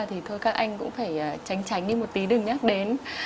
thì thôi các anh cũng phải tránh tránh như một tí đừng nhắc đến